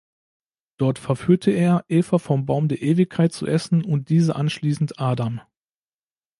Dort verführte er Eva vom Baum der Ewigkeit zu essen und diese anschließend Adam.